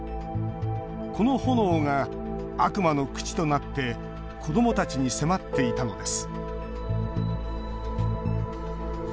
この炎が悪魔の口となって子どもたちに迫っていたのです。